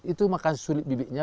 itu makanya sulit bibitnya